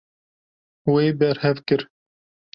Wê berhev kir.